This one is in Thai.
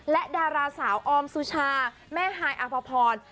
และดาราสาวออมสุชาแม่ฮายอภพร